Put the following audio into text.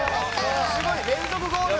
すごい！連続ゴール！